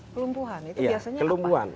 kelumpuhan itu biasanya apa